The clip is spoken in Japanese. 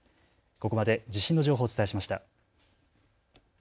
ここまで地震の情報をお伝えしました。